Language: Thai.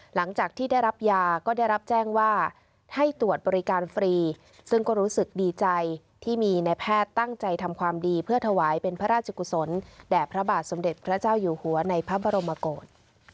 หลังจากที่ได้รับยาก็ได้รับแจ้งว่าให้ตรวจบริการฟรีซึ่งก็รู้สึกดีใจที่มีในแพทย์ตั้งใจทำความดีเพื่อถวายเป็นพระราชกุศลแด่พระบาทสมเด็จพระเจ้าอยู่หัวในพระบรมกฏ